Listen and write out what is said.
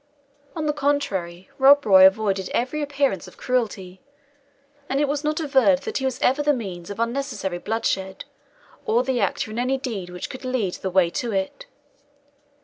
On the contrary, Rob Roy avoided every appearance of cruelty, and it is not averred that he was ever the means of unnecessary bloodshed, or the actor in any deed which could lead the way to it.